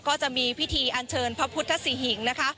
ก็จะมีพิธีอันเชิญพระพุทธศรีหิงนะคะ